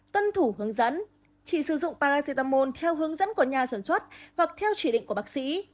tuân thủ hướng dẫn chỉ sử dụng paracetamol theo hướng dẫn của nhà sản xuất hoặc theo chỉ định của bác sĩ